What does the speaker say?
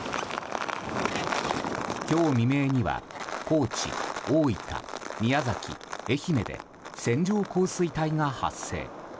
今日未明には高知、大分、宮崎、愛媛で線状降水帯が発生。